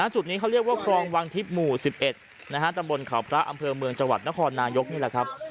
จุดนี้เขาเรียกว่าคลองวังทิพย์หมู่๑๑ตำบลเขาพระอำเภอเมืองจังหวัดนครนายกนี่แหละครับ